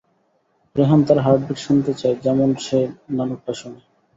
রেহান তার হার্টবিট শুনতে চায়, যেমন সে নানুর টা শুনে।